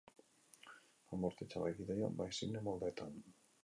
Lan bortitza bai gidoian bai zine moldeetan.